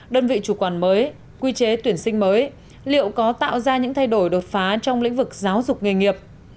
đơn vị chủ quản mới quy chế tuyển sinh mới liệu có tạo ra những thay đổi đột phá trong lĩnh vực giáo dục nghề nghiệp